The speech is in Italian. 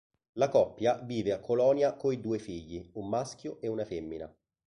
La coppia vive a Colonia coi due figli: un maschio e una femmina.